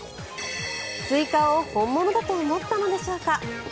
スイカを本物だと思ったのでしょうか。